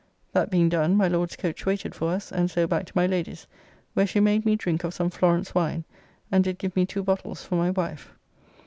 That being done, my Lord's coach waited for us, and so back to my Lady's, where she made me drink of some Florence wine, and did give me two bottles for my wife.